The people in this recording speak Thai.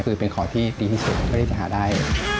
คือเป็นขอที่ดีที่สุดไม่ได้จะหาได้